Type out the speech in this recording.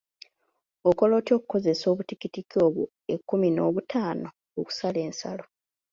Okola otya okukozesa obutikitiki obwo ekkumi n'obutaano okusala ensalo?